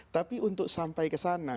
tapi untuk sampai ke sana